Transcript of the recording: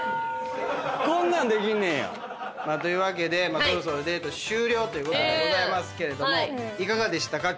こんなんできんねんや。というわけでそろそろデート終了ですけれどもいかがでしたか？